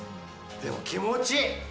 でも気持ちいい！